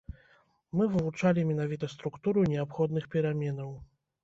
Мы вывучалі менавіта структуру неабходных пераменаў.